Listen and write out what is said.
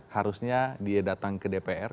harusnya dia datang ke dpr